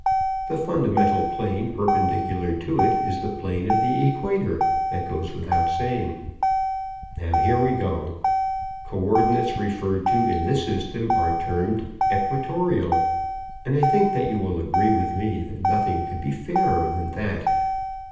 The fundamental plane perpendicular to it is the plane of the equator. That goes without saying. Now, here we go! Coördinates referred to in this system are termed equatorial, and I think that you will agree with me that nothing could be fairer than that.